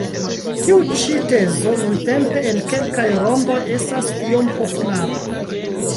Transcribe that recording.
Tiu ĉi tezo nuntempe en kelkaj rondoj estas iom populara.